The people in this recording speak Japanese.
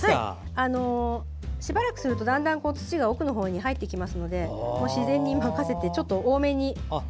しばらくすると、だんだん土が奥のほうに入ってきますので自然に任せて、ちょっと多めに。